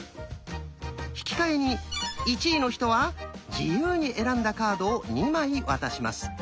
引き換えに１位の人は自由に選んだカードを２枚渡します。